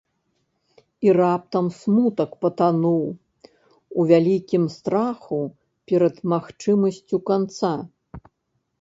І раптам смутак патануў у вялікім страху перад магчымасцю канца.